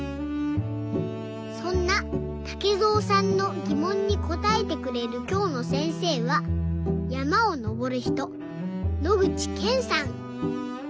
そんなたけぞうさんのぎもんにこたえてくれるきょうのせんせいはやまをのぼるひと野口健さん。